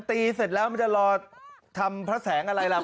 ตีเสร็จจะรอทำพระแสงอะไร